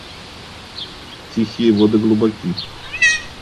Тихие воды глубоки.